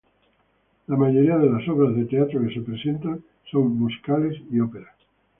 La mayoría de las obras de teatro que se presentan son musicales y óperas.